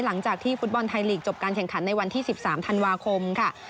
หลังจากที่ฟุตบอลไทยลีกจบการแข่งขันในวันที่๑๓ธันวาคมค่ะ